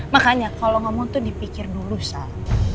makanya kalau ngomong itu dipikir dulu sal